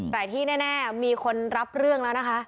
แต่ที่แน่มีคนรับเรื่องแล้วนะคะ